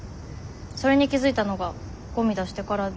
それに気付いたのがゴミ出してからで。